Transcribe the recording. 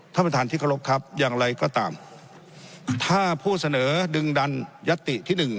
ท่านประธานที่เคารพครับอย่างไรก็ตามถ้าผู้เสนอดึงดันยัตติที่หนึ่ง